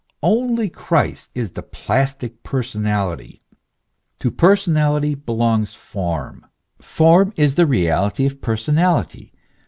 Only Christ is the plastic personality. To personality belongs form; form is the reality of personality.